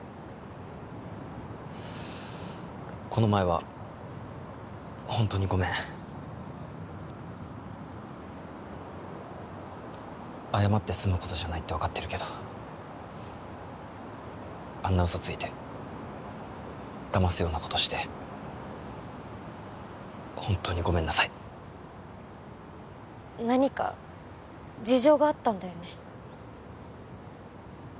この前はホントにごめん謝って済むことじゃないって分かってるけどあんな嘘ついてだますようなことして本当にごめんなさい何か事情があったんだよね